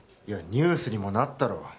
いやニュースにもなったろ